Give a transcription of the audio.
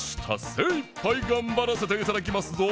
せいいっぱいがんばらせていただきますぞ！